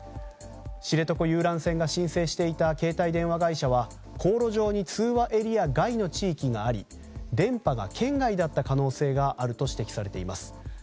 知床遊覧船が申請していた携帯電話会社は航路上に通話エリア外の地域があり電波が圏外だった可能性があると指摘されています。